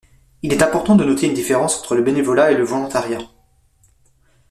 Il est important de noter une différence entre le bénévolat et le volontariat.